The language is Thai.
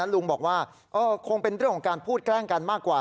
ลุงบอกว่าคงเป็นเรื่องของการพูดแกล้งกันมากกว่า